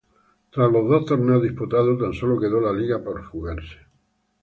Tras los dos torneos disputados tan solo quedó la liga por jugarse.